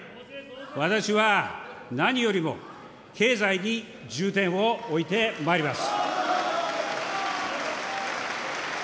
私は、何よりも経済に重点を置いてまいります。